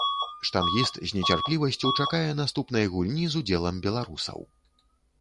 Штангіст з нецярплівасцю чакае наступнай гульні з удзелам беларусаў.